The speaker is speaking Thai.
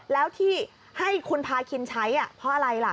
แล้วที่ให้คุณพาคินใช้เพราะอะไรล่ะ